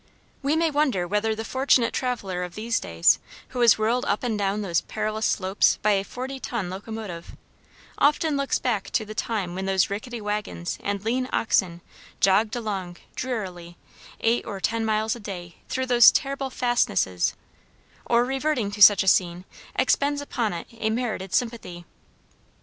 We may wonder whether the fortunate traveler of these days, who is whirled up and down those perilous slopes by a forty ton locomotive, often looks back to the time when those rickety wagons and lean oxen jogged along, drearily, eight or ten miles a day through those terrible fastnesses, or reverting to such a scene, expends upon it a merited sympathy.